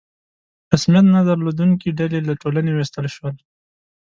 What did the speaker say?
رسمیت نه درلودونکي ډلې له ټولنې ویستل شول.